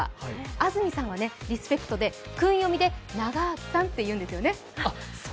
安住さん、リスペクトで訓読みで「ながあきさん」と言うんですよね。